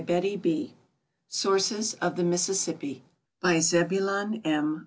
AMERICA The Sources of the Mississippi By ZEBULON M.